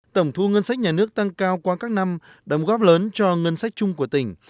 tổng thu ngân sách nhà nước tăng cao qua các năm đóng góp lớn cho ngân sách chung của tỉnh